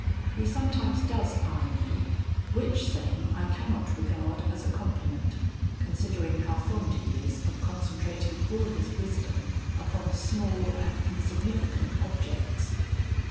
He sometimes does eye me, which same I cannot regard as a compliment, considering how fond he is of concentrating all his wisdom upon small and insignificant objects.